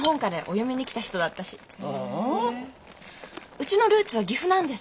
うちのルーツは岐阜なんですよ。